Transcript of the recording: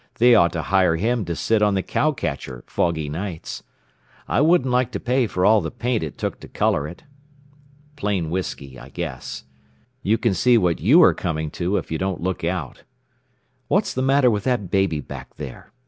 They ought to hire him to sit on the cow catcher foggy nights.... I wouldn't like to pay for all the paint it took to color it.... Plain whiskey, I guess. You can see what you are coming to if you don't look out.... What's the matter with that baby back there?